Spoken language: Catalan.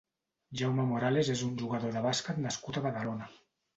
Jaume Morales és un jugador de bàsquet nascut a Badalona.